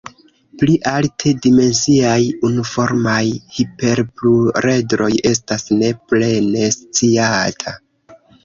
Pli alte dimensiaj unuformaj hiperpluredroj estas ne plene sciata.